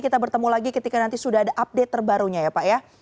kita bertemu lagi ketika nanti sudah ada update terbarunya ya pak ya